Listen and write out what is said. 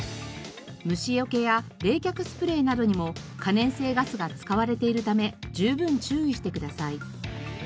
虫よけや冷却スプレーなどにも可燃性ガスが使われているため十分注意してください。